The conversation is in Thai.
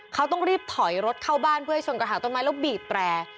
เขาต้องรีบถอยรถเข้าบ้านเพื่อให้ชนกระถางต้นไม้แล้วบีบแตร